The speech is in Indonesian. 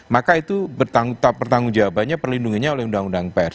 maka itu pertanggung jawabannya perlindungannya oleh undang undang pers